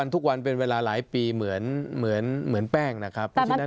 ทุกวันเป็นเวลาหลายปีเหมือนแป้งนะครับ